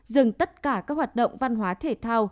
dừng tất cả các hoạt động văn hóa thể thao